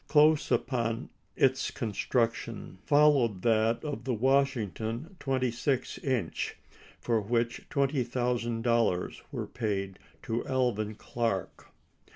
Close upon its construction followed that of the Washington 26 inch, for which twenty thousand dollars were paid to Alvan Clark.